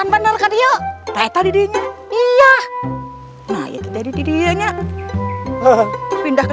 tengok apa gatine